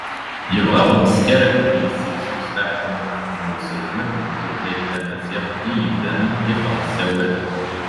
yebɣa umeskar ad yessifsus taɛekkumt n uselmed n tutlayt tamaziɣt i yimdanen ifransawalen